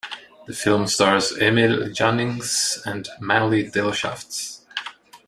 The film stars Emil Jannings and Maly Delschaft.